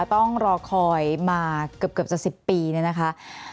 ต้องรอคอยมาเกือบเจอ๑๐ปีนะคะ